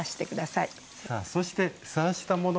さあそしてさらしたものを。